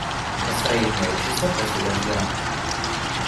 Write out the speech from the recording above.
Настроение общества после дождя.